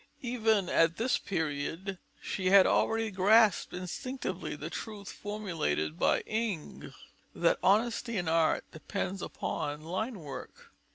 Even at this period she had already grasped instinctively the truth formulated by Ingres, that "honesty in art depends upon line work."